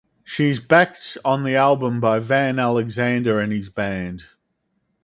She is backed on the album by Van Alexander and his band.